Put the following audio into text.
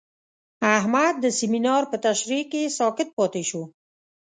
احمد د سمینار په تشریح کې ساکت پاتې شو.